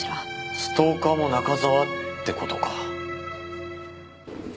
ストーカーも中沢って事か。